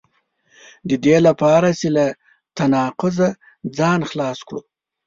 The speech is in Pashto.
د دې لپاره چې له تناقضه ځان خلاص کړو.